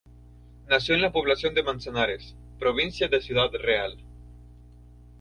Nació en la población de Manzanares, provincia de Ciudad Real.